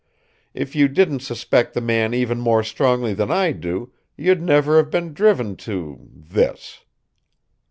If you didn't suspect the man even more strongly than I do, you'd never have been driven to this."